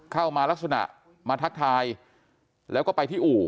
เข้ามาลักษณะมาทักทายแล้วก็ไปที่อู่